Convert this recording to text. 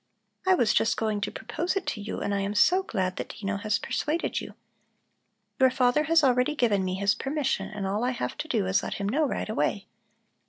"I was just going to propose it to you, and I am so glad that Dino has persuaded you. Your father has already given me his permission and all I have to do is to let him know right away.